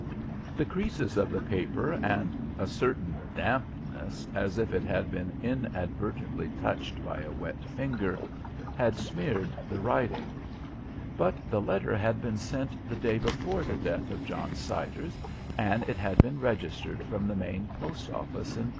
The creases of the paper and a certain dampness, as if it had been inadvertently touched by a wet finger, had smeared the writing. But the letter had been sent the day before the death of John Siders, and it had been registered from the main post office in G